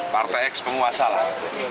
partai x penguasa lah